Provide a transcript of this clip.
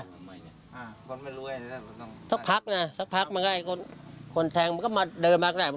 คนไม่รวยสักพักน่ะสักพักไงคนแทงมันก็มาเดินมาก็ได้